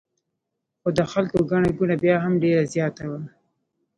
خو د خلکو ګڼه ګوڼه بیا هم ډېره زیاته وه.